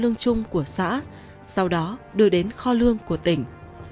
lương chung của xã sau đó đưa đến kho lương của tỉnh